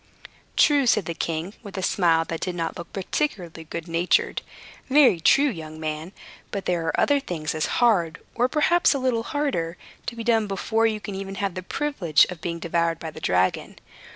"True," said the king, with a smile that did not look particularly good natured. "Very true, young man. But there are other things as hard, or perhaps a little harder, to be done before you can even have the privilege of being devoured by the dragon.